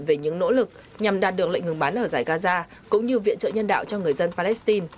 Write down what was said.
về những nỗ lực nhằm đạt được lệnh ngừng bắn ở giải gaza cũng như viện trợ nhân đạo cho người dân palestine